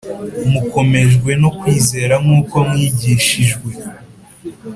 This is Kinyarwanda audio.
mukomejwe no kwizera nk’uko mwigishijwe